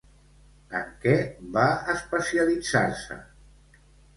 En què va especialitzar-se?